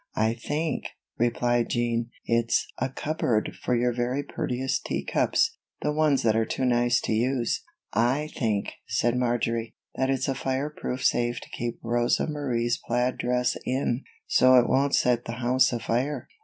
"I think," replied Jean, "it's a cupboard for your very prettiest tea cups the ones that are too nice to use." "I think," said Marjory, "that it's a fire proof safe to keep Rosa Marie's plaid dress in, so it won't set the house afire."